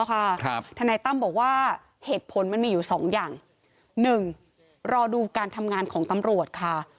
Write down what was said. ทนายตั้มบอกว่าเหตุผลมันมีอยู่สองอย่างหนึ่งรอดูการทำงานของตำรวจค่ะ